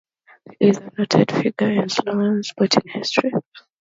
He is a noted figure in Slovenian sporting history.